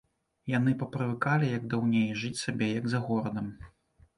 Яны папрывыкалі, як даўней, жыць сабе, як за горадам.